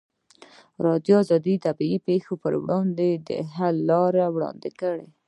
ازادي راډیو د طبیعي پېښې پر وړاندې د حل لارې وړاندې کړي.